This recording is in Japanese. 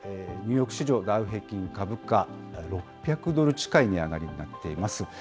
ニューヨーク市場、ダウ平均株価、６００ドル近い値上がりとなっています。